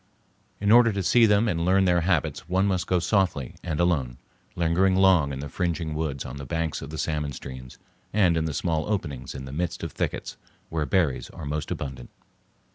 In order to see them and learn their habits one must go softly and alone, lingering long in the fringing woods on the banks of the salmon streams, and in the small openings in the midst of thickets where berries are most abundant.